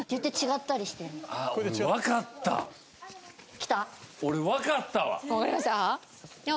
きた？